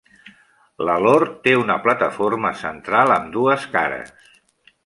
Lalor té una plataforma central amb dues cares.